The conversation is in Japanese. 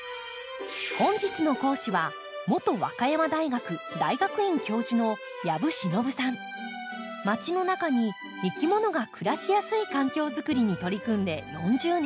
本日の講師は元和歌山大学大学院教授の街の中にいきものが暮らしやすい環境づくりに取り組んで４０年。